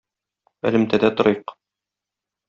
Элемтәдә торыйк.